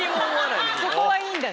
そこはいいんだ。